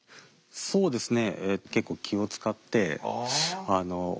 そうですね。